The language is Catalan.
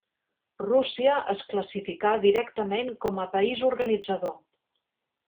Rússia es classificà directament com a país organitzador.